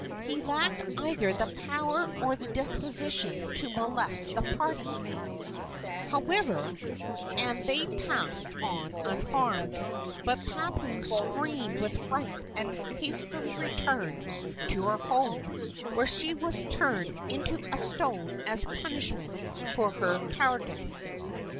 He lacked either the power or the disposition to molest the party, however, and they passed on unharmed; but Papau screamed with fright and hastily returned to her home, where she was turned into a stone as a punishment for her cowardice.